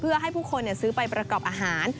เพื่อให้ผู้คนซื้อไปประกอบอาหาร